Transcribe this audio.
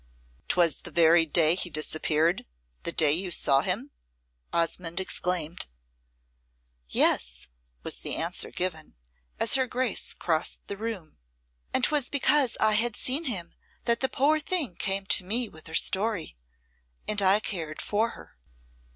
"'Twas the very day he disappeared the day you saw him?" Osmonde exclaimed. "Yes," was the answer given, as her Grace crossed the room. "And 'twas because I had seen him that the poor thing came to me with her story and I cared for her."